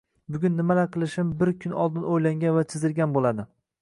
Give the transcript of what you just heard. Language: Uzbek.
Bugun nimalar qilishim bir kun oldin oʻylangan va chizilgan boʻladi.